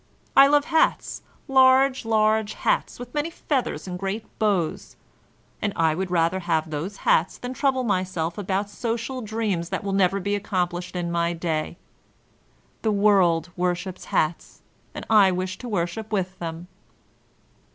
I love hats, large, large hats, with many feathers and great bows ; and I would rather have those hats than trouble myself about social dreams that will never be accomplished in my day. The world worships hats, and I wish to worship with them."